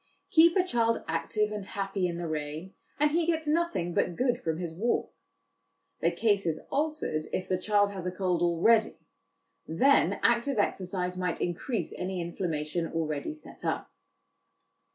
Keep a child active and happy in the rain, and he gets nothing but good from his walk. The case is altered if the child has a cold already ; then active exercise might increase any inflammation already set up.